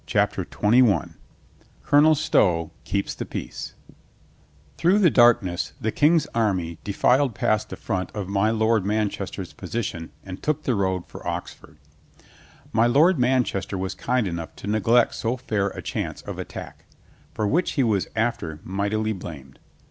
CHAPTER TWENTY ONE COLONEL STOW KEEPS THE PEACE THROUGH the darkness, the King's army de filed past the front of my Lord Manchester's position and took the road for Oxford. My Lord Manchester was kind enough to neglect so fair a chance of attack. For which he was after mightily blamed.